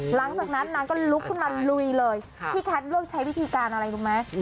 หลังจากนั้นนางก็ลุกขึ้นมาลุยเลยพี่แคทเริ่มใช้วิธีการอะไรรู้ไหม